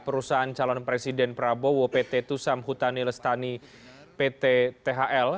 perusahaan calon presiden prabowo pt tusam hutani lestani pt thl